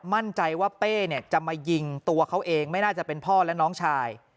มั่นใจว่าเป้เนี่ยจะมายิงตัวเขาเองไม่น่าจะเป็นพ่อและน้องชาย